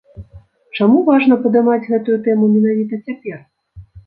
Чаму важна падымаць гэтую тэму менавіта цяпер?